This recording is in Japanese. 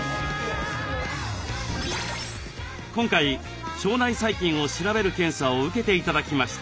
今回腸内細菌を調べる検査を受けて頂きました。